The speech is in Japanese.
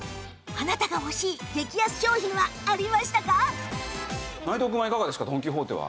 あなたが欲しい激安商品はありましたか？